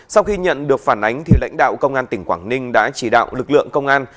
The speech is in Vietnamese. sau khi nhận được phản ánh lãnh đạo công an tỉnh quảng ninh đã chỉ đạo lực lượng công an